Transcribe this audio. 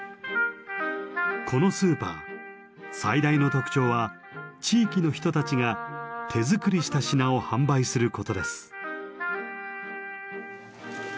このスーパー最大の特徴は地域の人たちが手作りした品を販売することです。